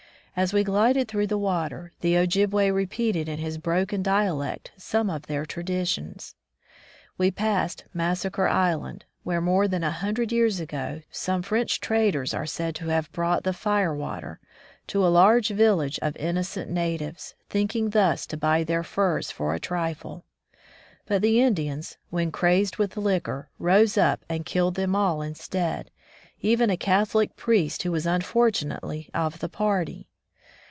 As we glided through the water, the Ojibway repeated in his broken dialect some of their traditions. We passed Massacre island,*' where, more than a hun dred years ago, some French traders are said to have brought the "fire water'* to a large village of innocent natives, thinking thus to buy their furs for a trifle. But the Indians, when crazed with liquor, rose up and killed them all instead, even a Catholic priest who was unfortunately of the party.